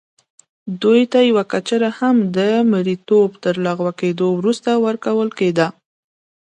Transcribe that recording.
دوی ته یوه کچره هم د مریتوب تر لغوه کېدو وروسته ورکول کېده.